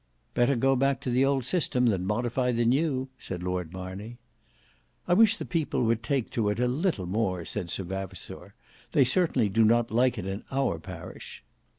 "Better go back to the old system, than modify the new," said Lord Marney. "I wish the people would take to it a little more," said Sir Vavasour; "they certainly do not like it in our parish."